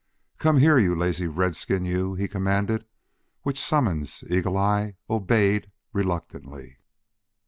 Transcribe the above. "Come here, you lazy redskin, you," he commanded, which summons Eagle eye obeyed reluctantly.